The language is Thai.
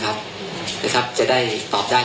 กำหนดเป็น๒ทางหรือเปล่าครับ